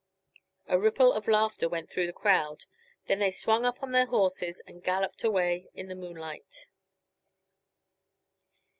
A little ripple of laughter went through the crowd. Then they swung up on their horses and galloped away in the moonlight.